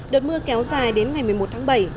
đợt mưa kéo dài đến ngày một mươi một tháng bảy